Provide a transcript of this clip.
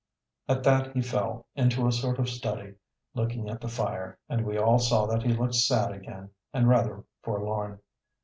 At that he fell into a sort of study, looking at the fire, and we all saw that he looked sad again and rather forlorn.